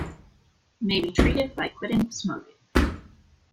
May be treated by quitting smoking.